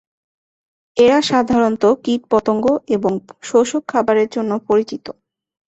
এরা সাধারণত কীটপতঙ্গ এবং শোষক খাবারের জন্য পরিচিত।